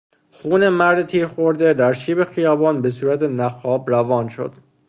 خون مرد تیر خورده در شیب خیابان بهصورت نخاب روان شد.